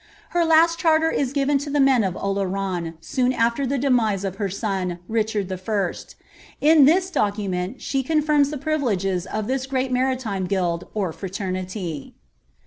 Her last charter is given to ihe men of Oleron,* soon after the dwni* of her SOD, Richard 1. In this document she confirms the privilege of this great maritime guild or Iraiernity.